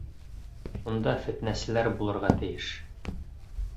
— Унда фетнәселәр булырға тейеш.